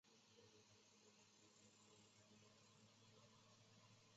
绍治三年的喜欢。